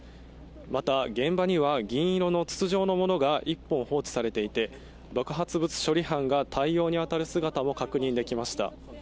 また、現場には銀色の筒状ものが１本放置されていて、爆発物処理班が対応に当たる姿も確認できました。